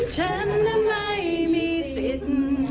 ฉันไม่มีสิน